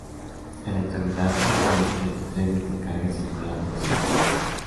En la actualidad, únicamente trenes de Carga circulan por esta estación.